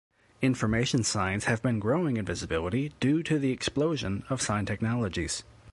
Information signs have been growing in visibility due to the explosion of sign technologies.